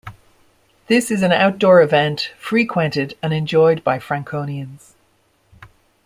This is an outdoor event frequented and enjoyed by Franconians.